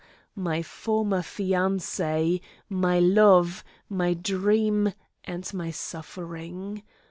my former fiancee, my love, my dream and my suffering.